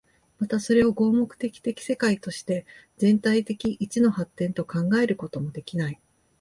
またそれを合目的的世界として全体的一の発展と考えることもできない。